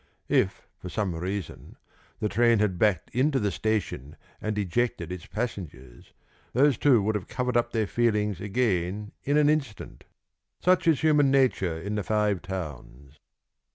If for some reason the train had backed into the station and ejected its passengers, those two would have covered up their feelings again in an instant. Such is human nature in the Five Towns.